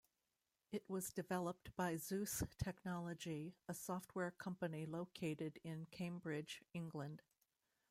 It was developed by Zeus Technology, a software company located in Cambridge, England.